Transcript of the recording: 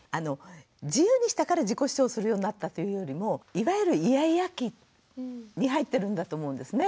自由にしたから自己主張するようになったというよりもいわゆるイヤイヤ期に入ってるんだと思うんですね。